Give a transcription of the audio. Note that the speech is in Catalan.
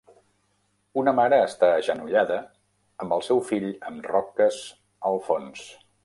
Una mare està agenollada amb el seu fill amb roques al fons.